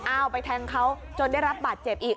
เอาไปแทงเขาจนได้รับบาดเจ็บอีก